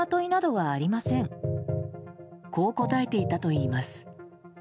こう答えていたといいます。